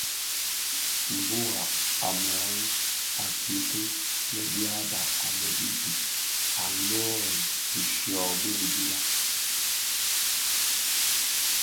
Mburag a meghan a kiki lè dyaba a mëdidi a lōōrèn bishyō bi bidilag.